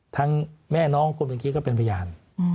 ทั้งแม่น้องกลมอย่างนี้ก็เป็นพยาน